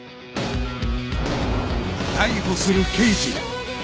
逮捕する刑事